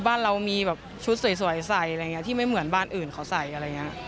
บ้านเรามีแบบชุดสวยใส่อะไรอย่างนี้ที่ไม่เหมือนบ้านอื่นเขาใส่อะไรอย่างนี้